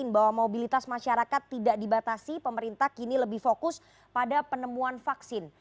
bahwa mobilitas masyarakat tidak dibatasi pemerintah kini lebih fokus pada penemuan vaksin